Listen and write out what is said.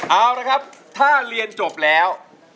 เอาละครับถ้าเรียนจบแล้ว